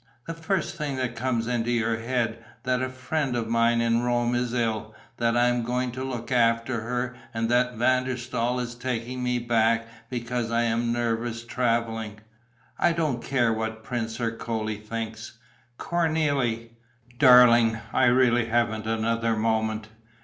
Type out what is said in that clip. "The first thing that comes into your head: that a friend of mine in Rome is ill, that I am going to look after her and that Van der Staal is taking me back because I am nervous travelling. I don't care what Prince Ercole thinks." "Cornélie...." "Darling, I really haven't another moment.